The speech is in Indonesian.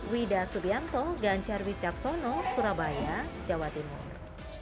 wida subianto ganjarwi caksono surabaya jawa timur